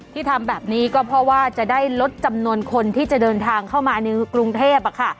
ที่ทำแบบนี้ก็เพราะว่าจะได้ลดจำนวนคนที่จะเดินทางเข้ามาในกรุงเทพ